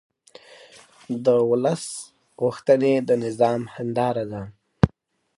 د ولس غوښتنې د نظام هنداره ده